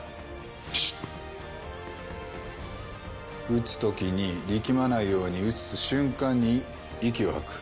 打つ時に力まないように打つ瞬間に息を吐く。